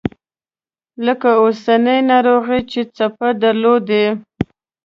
لکه اوسنۍ ناروغي چې څپې درلودې.